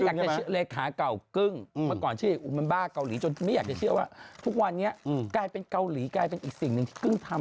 ถูกต้องนี่น้องมิ้นไปด้วยน้องมิ้นนั่น